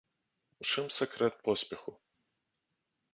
У чым сакрэт поспеху?